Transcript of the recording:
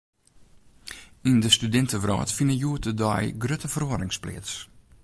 Yn de studintewrâld fine hjoed-de-dei grutte feroarings pleats.